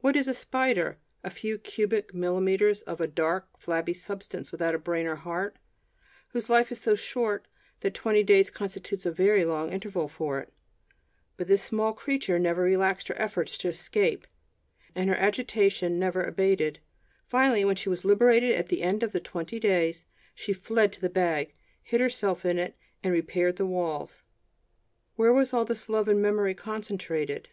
What is a spider? A few cubic millimetres of a dark, flabby substance without brain or heart, whose life is so short that twenty days constitute a very long interval for it; but this small creature never relaxed her efforts to escape, and her agitation never abated; finally, when she was liberated at the end of the twenty days, she fled to the bag, hid herself in it, and repaired the walls. Where was all this love and memory concentrated?